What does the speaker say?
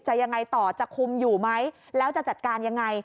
ยังไงต่อจะคุมอยู่ไหมแล้วจะจัดการยังไง